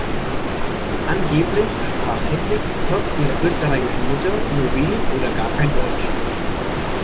Angeblich sprach Hedwig trotz ihrer österreichischen Mutter nur wenig oder gar kein Deutsch.